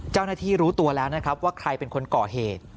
เจ้าหน้าที่รู้ตัวแล้วนะครับว่าใครเป็นคนก่อเหตุ